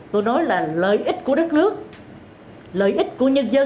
tôi nói là lợi ích của đất nước lợi ích của nhân dân